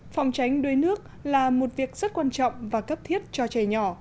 phòng tránh đuối nước là một việc rất quan trọng và cấp thiết cho trẻ nhỏ